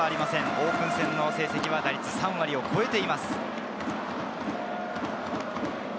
オープン戦の戦績は打率３割を超えています。